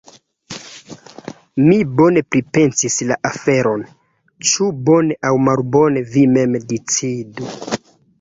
Mi bone pripensis la aferon… ĉu bone aŭ malbone vi mem decidu.